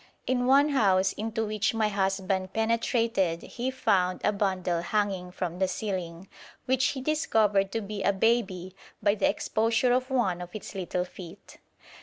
In one house into which my husband penetrated he found a bundle hanging from the ceiling, which he discovered to be a baby by the exposure of one of its little feet.